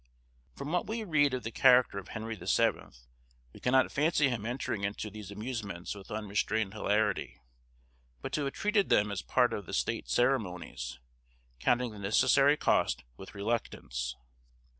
From what we read of the character of Henry the Seventh, we cannot fancy him entering into these amusements with unrestrained hilarity, but to have treated them as part of the state ceremonies, counting the necessary cost with reluctance.